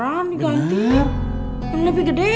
yang lebih gede ya